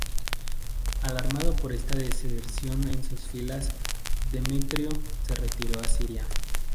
Alarmado por esta deserción en sus filas, Demetrio se retiró a Siria.